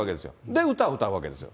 で、歌歌うわけですよ。